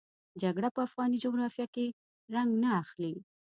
جګړه په افغاني جغرافیه کې رنګ نه اخلي.